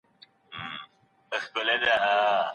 معلم غني وویل چې قناعت د شتمنۍ لوړه درجه ده.